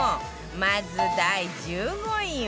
まず第１５位は